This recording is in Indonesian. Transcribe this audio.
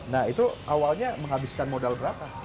nah itu awalnya menghabiskan modal berapa